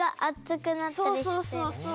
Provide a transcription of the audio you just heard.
そうそうそうそう。